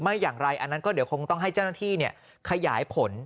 อย่างไรอันนั้นก็เดี๋ยวคงต้องให้เจ้าหน้าที่ขยายผล